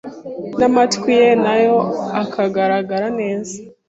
n’amatwi ye nayo akagaragara neza.